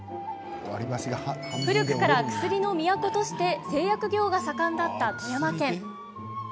古くから薬の都として製薬業が盛んだった富山県。